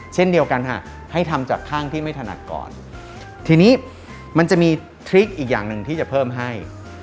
เช่นเดียวกันค่ะให้ทำจากข้างที่ไม่ถนัดก่อนทีนี้มันจะมีทริคอีกอย่างหนึ่งที่จะเพิ่มให้